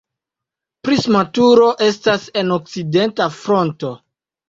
Prisma turo estas en okcidenta fronto.